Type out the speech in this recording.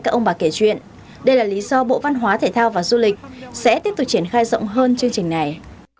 các ông bà kể chuyện đây là lý do bộ văn hóa thể thao và du lịch sẽ tiếp tục triển khai rộng hơn chương trình này